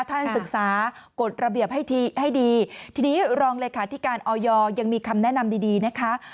ท่านศึกษากฎระเบียบให้ทีให้ดีทีนี้รองเลขาธิการออยยังมีคำแนะนำดีดีนะคะ